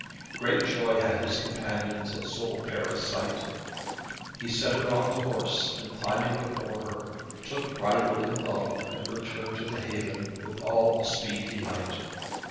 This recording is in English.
Great joy had his companions at so fair a sight. He set her on the horse, and climbing before her, took bridle in glove, and returned to the haven, with all the speed he might.